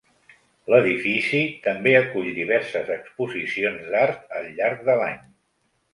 L'edifici també acull diverses exposicions d'art al llarg de l'any.